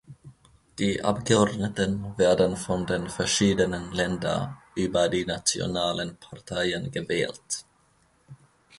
Die Abgeordneten werden von den verschiedenen Ländern über die nationalen Parteien gewählt.